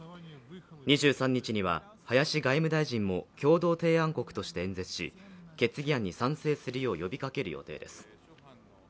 ２３日には林外務大臣も共同提案国として演説し決議案に賛成するよう呼びかける予定です。